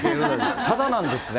ただなんですね。